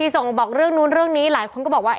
ส่งบอกเรื่องนู้นเรื่องนี้หลายคนก็บอกว่า